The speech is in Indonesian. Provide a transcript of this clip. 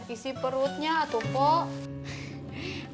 isi perutnya atau kok